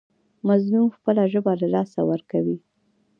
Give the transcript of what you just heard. مظلوم خپله ژبه له لاسه ورکوي.